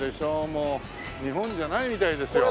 日本じゃないみたいですよ。